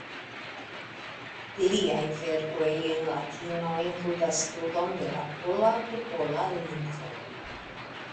Liaj verkoj en Latino inkludas studon de la pola popola lingvo.